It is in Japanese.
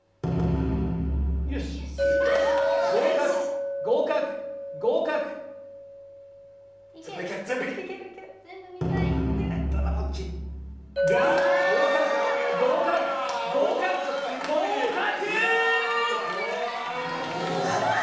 合格合格合格全部いけ合格合格合格合格！